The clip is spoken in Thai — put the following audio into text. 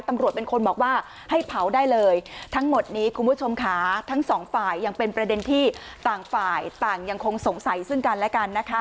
ตำรวจเป็นคนบอกว่าให้เผาได้เลยทั้งหมดนี้คุณผู้ชมค่ะทั้งสองฝ่ายยังเป็นประเด็นที่ต่างฝ่ายต่างยังคงสงสัยซึ่งกันและกันนะคะ